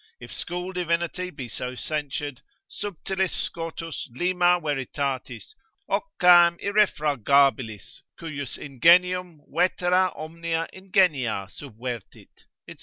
If school divinity be so censured, subtilis Scotus lima veritatis, Occam irrefragabilis, cujus ingenium vetera omnia ingenia subvertit, &c.